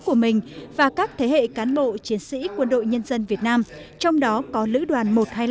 của mình và các thế hệ cán bộ chiến sĩ quân đội nhân dân việt nam trong đó có lữ đoàn một trăm hai mươi năm